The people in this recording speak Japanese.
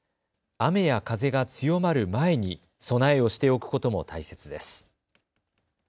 雨や風が強まる前に備えをしておくことも大切です。